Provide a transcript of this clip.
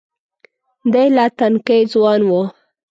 دی لا تنکی ځوان و.